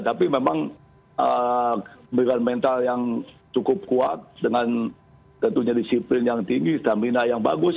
tapi memang dengan mental yang cukup kuat dengan tentunya disiplin yang tinggi stamina yang bagus